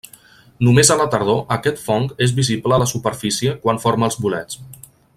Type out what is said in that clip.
Només a la tardor aquest fong és visible a la superfície quan forma els bolets.